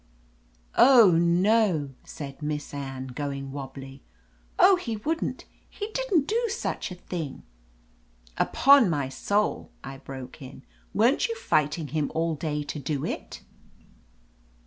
"Oh, no," said Miss Anne, going wobbly. "Oh, he wouldn't — he didn't do such a thing!" "Upon my soul !" I broke in. "Weren't you fighting him all day to do it